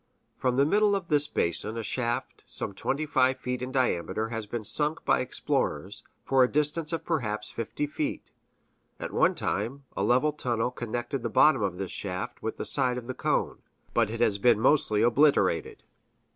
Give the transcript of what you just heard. From the middle of this basin a shaft some twenty five feet in diameter has been sunk by explorers, for a distance of perhaps fifty feet; at one time, a level tunnel connected the bottom of this shaft with the side of the cone, but it has been mostly obliterated.